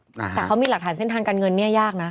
แต่เขามีหลักฐานเส้นทางการเงินเนี่ยยากนะ